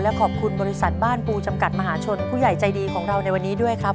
ขอบคุณบริษัทบ้านปูจำกัดมหาชนผู้ใหญ่ใจดีของเราในวันนี้ด้วยครับ